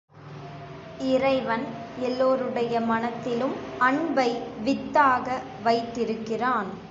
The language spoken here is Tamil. இறைவன் எல்லோருடைய மனத்திலும் அன்பை வித்தாக வைத்திருக்கிறான்.